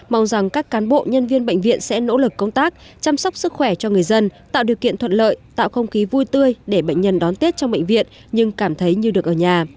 mong rằng các cán bộ nhân viên bệnh viện sẽ nỗ lực công tác chăm sóc sức khỏe cho người dân